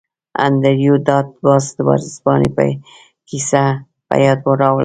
انډریو ډاټ باس د ورځپاڼې یوه کیسه په یاد راوړه